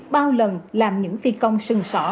bao lần làm những phi công sừng sỏ